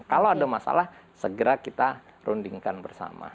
kalau ada masalah segera kita rundingkan bersama